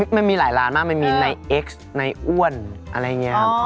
มันมีหลายร้านมากมันมีในเอ็กซ์ในอ้วนอะไรอย่างนี้ครับ